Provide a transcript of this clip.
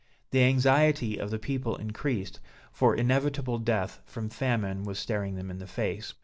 The anxiety of the people increased, for inevitable death from famine, was staring them in the face.